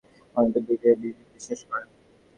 তাঁহারা বেদসমূহকে অনাদি ও অনন্ত বলিয়া বিশ্বাস করেন।